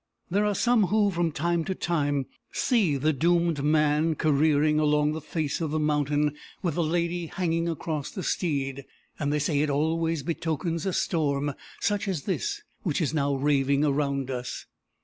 There are some who, from time to time, see the doomed man careering along the face of the mountain, with the lady hanging across the steed; and they say it always betokens a storm, such as this which is now raving around us."